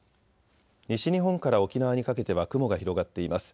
西日本から沖縄にかけては雲が広がっています。